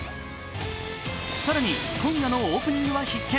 更に、今夜のオープニングは必見。